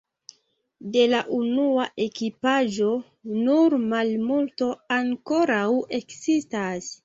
De la unua ekipaĵo nur malmulto ankoraŭ ekzistas.